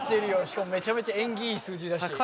しかもめちゃめちゃ縁起いい数字だし。